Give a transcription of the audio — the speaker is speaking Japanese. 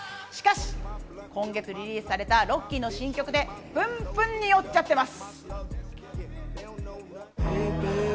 しかし今月リリースされたロッキーの新曲でプンプンにおっちゃってます。